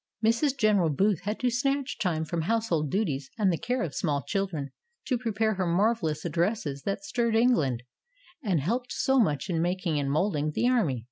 Mrs. General Booth had to snatch time from household duties and the care of small children to prepare her marvelous ad dresses that stirred England, and helped so much in making and moulding The Army.